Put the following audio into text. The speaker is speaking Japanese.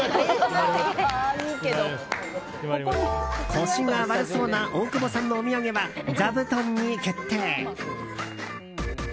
腰が悪そうな大久保さんのお土産は座布団に決定。